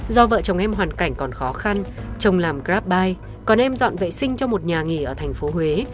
do vợ chồng em hoàn cảnh còn khó khăn chồng làm grabbuy còn em dọn vệ sinh cho một nhà nghỉ ở thành phố huế